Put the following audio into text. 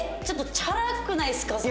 ちょっとチャラくないですか？